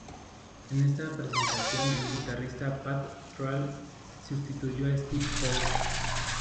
En esta presentación el guitarrista Pat Thrall sustituyó a Steve Howe.